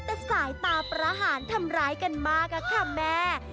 แต่สายตาประหารทำร้ายกันมากอะค่ะแม่